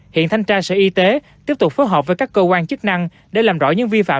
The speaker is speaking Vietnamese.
hiện thanh tra sở y tế tiếp tục phối hợp với các cơ quan chức năng để làm rõ những vi phạm